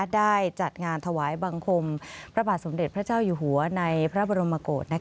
ได้จัดงานถวายบังคมพระบาทสมเด็จพระเจ้าอยู่หัวในพระบรมกฏ